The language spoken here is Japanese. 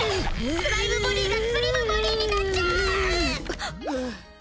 スライムボディーがスリムボディーになっちゃう！